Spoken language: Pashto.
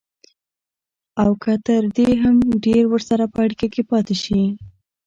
او که تر دې هم ډېر ورسره په اړيکه کې پاتې شي.